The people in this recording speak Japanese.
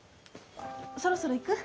そろそろ行く？